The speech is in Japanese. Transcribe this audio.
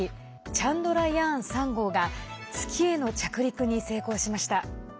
「チャンドラヤーン３号」が月への着陸に成功しました。